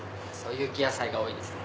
有機野菜が多いですね。